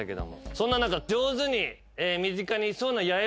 そんな中上手に。